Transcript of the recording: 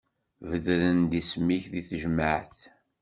Bedren-d isem-ik di tejmaεt.